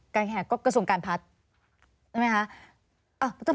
แขกก็กระทรวงการพัฒน์ใช่ไหมคะ